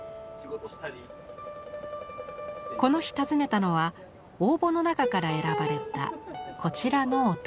この日訪ねたのは応募の中から選ばれたこちらのお宅。